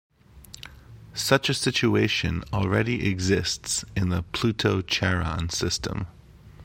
Such a situation already exists in the Pluto-Charon system.